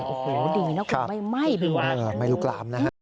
โอ้โฮดีนะครับไม่ไกลหวังนะครับไม่ลุกลามนะครับ